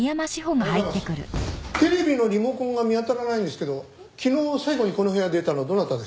テレビのリモコンが見当たらないんですけど昨日最後にこの部屋を出たのはどなたですかね？